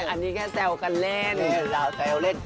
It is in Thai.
อันนี้แค่แซวกันแล้วเนี่ย